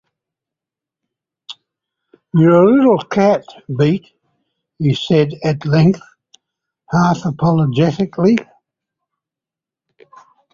“You are a little cat, Beat,” he said at length, half apologetically.